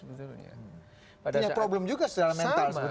punya problem juga secara mental